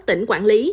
tỉnh quản lý